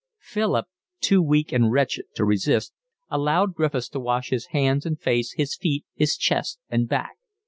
Philip, too weak and wretched to resist, allowed Griffiths to wash his hands and face, his feet, his chest and back.